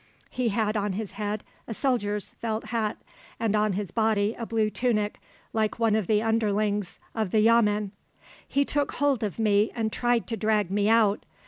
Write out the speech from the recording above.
He had on his head a soldier's felt hat, and on his body a blue tunic like one of the underlings of the yamen. He took hold of me and tried to drag me out.